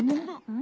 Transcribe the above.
ん？